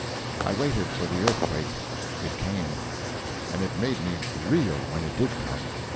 I waited for the earthquake. It came. And it made me reel when it did come.